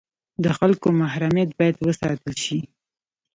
د خلکو محرمیت باید وساتل شي